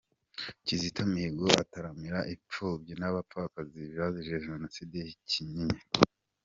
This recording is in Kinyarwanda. Kizito Mihigo ataramira impfubyi n’abapfakazi ba Jenoside i Kinyinya.